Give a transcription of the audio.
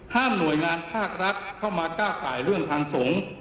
หน่วยงานภาครัฐเข้ามาก้าวไก่เรื่องทางสงฆ์